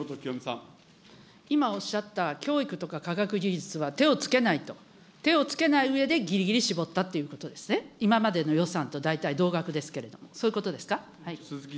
今、おっしゃった教育とか科学技術は手をつけないと、手をつけないうえで、ぎりぎり絞ったっていうことですね、今までの予算と大体同額ですけれども、そういうことですか。